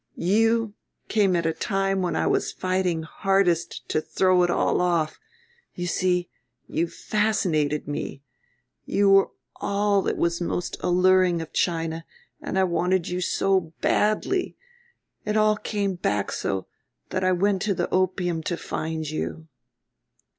You came at a time when I was fighting hardest to throw it all off. You see you fascinated me. You were all that was most alluring of China, and I wanted you so badly, it all came back so, that I went to the opium to find you."